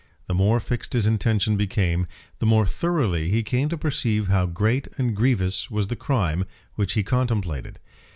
The more fixed his intention became, the more thoroughly he came to perceive how great and grievous was the crime which he contemplated.